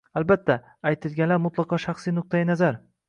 Albatta, aytilganlar mutlaqo shaxsiy nuqtai nazar